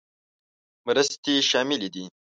مرستې شاملې دي.